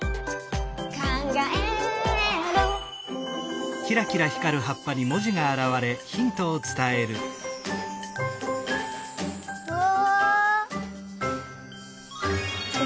「かんがえる」うわ！